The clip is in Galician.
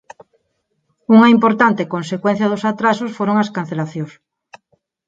Unha importante consecuencia dos atrasos foron as cancelacións.